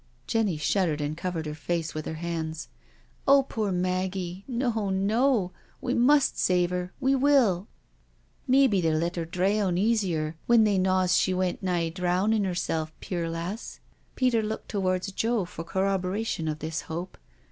Jenny shuddered and covered her face with her hands, "Oh, poor Maggie I No, no. We must save 'er— we will." " Maybe they'll let 'er deaun easier when they knaws she went nigh drownin' 'erself, puir lass?" Peter, looked towards Joe for corroboration of this hope.